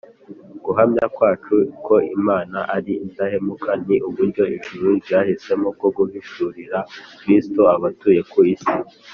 guhamya kwacu ko imana ari indahemuka ni uburyo ijuru ryahisemo bwo guhishurira kristo abatuye ku isi